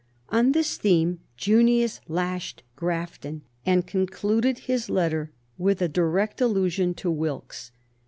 On this theme Junius lashed Grafton and concluded his letter with a direct allusion to Wilkes.